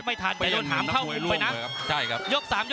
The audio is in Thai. พี่น้องอ่ะพี่น้องอ่ะ